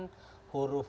bukan melakukan terobosan